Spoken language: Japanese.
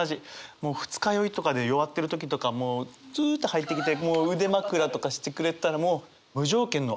もう二日酔いとかで弱ってる時とかもうスッと入ってきてもう腕枕とかしてくれたらもう。